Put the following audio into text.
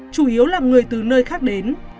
chủ yếu là người từ nơi khác đến